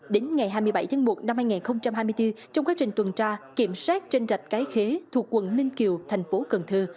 đến ngày hai mươi bảy tháng một năm hai nghìn hai mươi bốn trong quá trình tuần tra kiểm soát trên rạch cái khế thuộc quận ninh kiều thành phố cần thơ